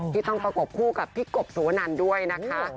ที่ต้องประกบคู่กับพี่กบสุวนันด้วยนะคะ